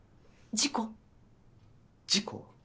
事故？